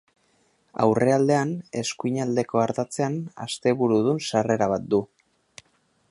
Aurrealdean eskuinaldeko ardatzean ateburudun sarrera bat du.